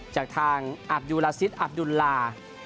จากทางอัพยูลาซิสอัพยูลา